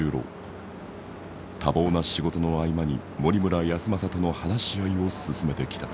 多忙な仕事の合間に森村泰昌との話し合いを進めてきた。